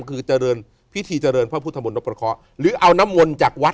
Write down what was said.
คือเจริญพิธีเจริญพระพุทธมนตประเคาะหรือเอาน้ำมนต์จากวัด